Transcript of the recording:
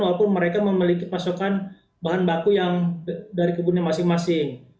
walaupun mereka memiliki pasokan bahan baku yang dari kebunnya masing masing